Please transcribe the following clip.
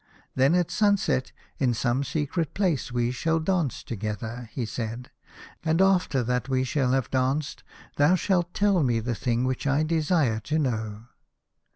" Then at sunset in some secret place we shall dance together," he said, "and after that we have danced thou shalt tell me the thing which I desire to know."